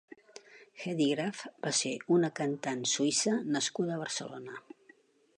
Hedy Graf va ser una cantant suïssa nascuda a Barcelona.